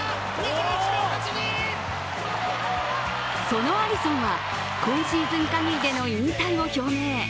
そのアリソンは今シーズンかぎりでの引退を表明。